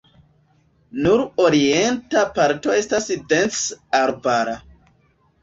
Nur orienta parto estas dense arbara.